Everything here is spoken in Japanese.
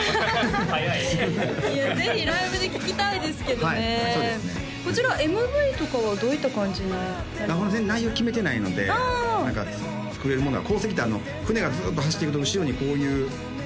早いぜひライブで聴きたいですけどねこちらＭＶとかはどういった感じに内容決めてないので何か作れるものは「航跡」って船がずっと走っていくと後ろにこういう波が出るじゃないですか